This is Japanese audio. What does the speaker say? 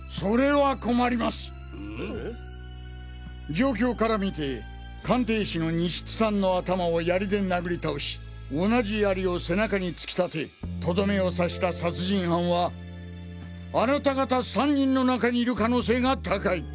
状況から見て鑑定士の西津さんの頭を槍で殴り倒し同じ槍を背中に突き立てトドメを刺した殺人犯はあなた方３人の中にいる可能性が高い！